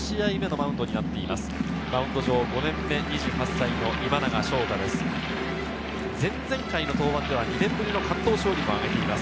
マウンド上、５年目、２８歳の今永昇太です。